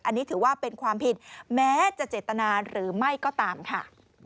อันนี้ถือว่าเป็นความผิดแม้จะเจตนาหรือไม่ก็ตามค่ะ